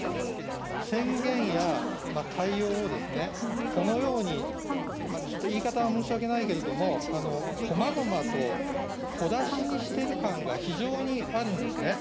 宣言や対応をですね、このように、ちょっと言い方は申し訳ないけれども、こまごまと小出しにしている感が、非常にあるんですね。